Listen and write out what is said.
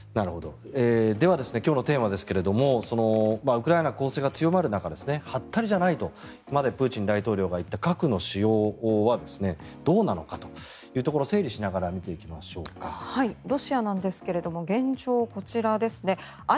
では、今日のテーマですがウクライナ攻勢が強まる中はったりじゃないとまでプーチン大統領が言った核の使用はどうなのかというところをロシアなんですが現状、こちらです。